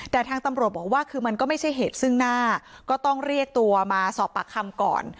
แต่ทางตำรวจบอกว่าคือมันก็ไม่ใช่เหตุซึ่งหน้าก็ต้องเรียกตัวมาสอบปากคำก่อน